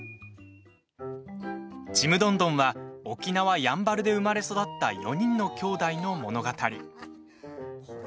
「ちむどんどん」は沖縄、やんばるで生まれ育った４人の兄妹の物語。